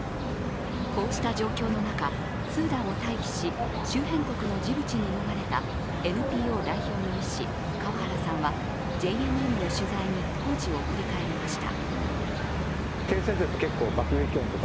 こうした状況の中、スーダンを退避し周辺国のジブチに逃れたＮＰＯ代表の医師、川原さんはＪＮＮの取材に当時を振り返りました